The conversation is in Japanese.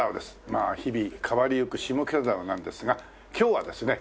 まあ日々変わりゆく下北沢なんですが今日はですね